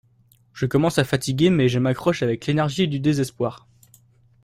Je commence à fatiguer mais je m’accroche avec l’énergie du désespoir.